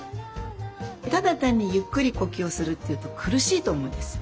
ただ単にゆっくり呼吸をするというと苦しいと思うんですよ。